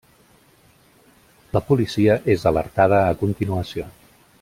La policia és alertada a continuació.